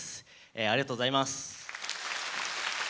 ありがとうございます。